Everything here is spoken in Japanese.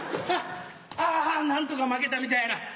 ああなんとかまけたみたいやな。